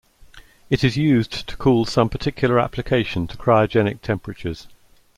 It is used to cool some particular application to cryogenic temperatures.